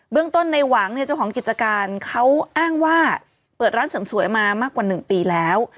เรื่องต้นในหวังเนี่ยเจ้าของกิจการเขาอ้างว่าเปิดร้านเสริมสวยมามากกว่า๑ปีแล้ว